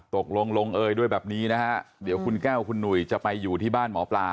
ตกลงลงเอยด้วยแบบนี้นะฮะเดี๋ยวคุณแก้วคุณหนุ่ยจะไปอยู่ที่บ้านหมอปลา